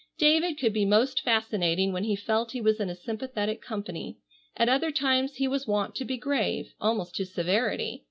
David could be most fascinating when he felt he was in a sympathetic company. At other times he was wont to be grave, almost to severity.